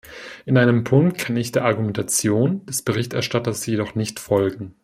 In einem Punkt kann ich der Argumentation des Berichterstatters jedoch nicht folgen.